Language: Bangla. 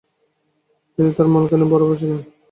তিনি কে আর মালকানির বড় ভাই ছিলেন।